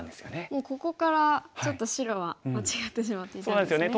もうここからちょっと白は間違ってしまっていたんですね。